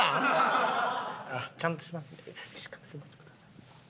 ちゃんとしますんで２時間ちょっとください。